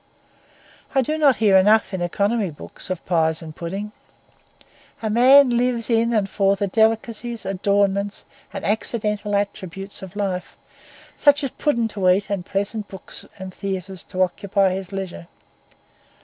I do not hear enough, in economy books, of pies and pudding. A man lives in and for the delicacies, adornments, and accidental attributes of life, such as pudding to eat and pleasant books and theatres to occupy his leisure.